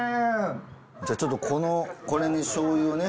じゃあちょっとこのこれに醤油をね。